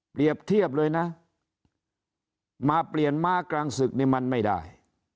เปรียบเทียบเลยนะมาเปลี่ยนมากกลางศึกในมันไม่ได้